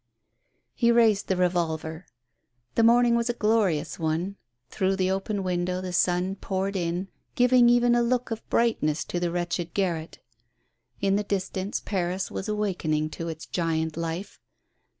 He raised the revolver. The morning was a glorious one. Through the open window the sun poured in, giv ing even a look of brightness to the wretched garret. In the distance, Paris was awakening to its giant life.